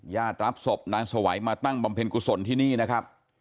รับศพนางสวัยมาตั้งบำเพ็ญกุศลที่นี่นะครับ